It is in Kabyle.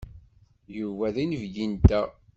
Yuba d inebgi-nteɣ.